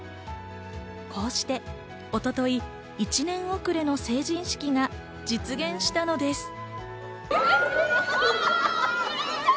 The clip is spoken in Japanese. こうして一昨日、１年遅れの成人式が実現したのです。